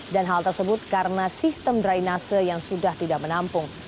dan hal tersebut karena sistem drainase yang sudah tidak menampung